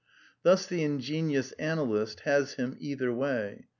Thus the ingenious analyst " has " him either way.